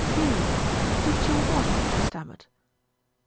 "Who? Teach you what?" she stammered.